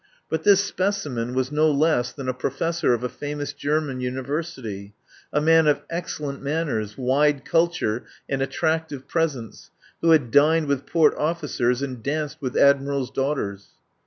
But this specimen was no less than a professor of a famous German University, a man of excel lent manners, wide culture, and attractive presence, who had dined with Port officers and danced with Admirals' daughters.